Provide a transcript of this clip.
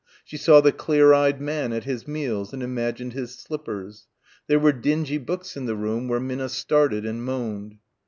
She saw the clear eyed man at his meals; and imagined his slippers. There were dingy books in the room where Minna started and moaned.